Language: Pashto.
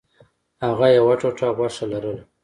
هغه یوه ټوټه غوښه لرله.